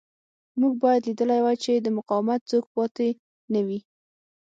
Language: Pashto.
موږ باید لیدلی وای چې د مقاومت څوک پاتې نه وي